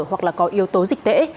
hoặc là có yếu tố dịch tễ